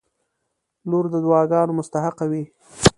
• لور د دعاګانو مستحقه وي.